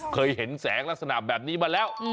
เคยเห็นแสงลักษณะแบบนี้มาแล้ว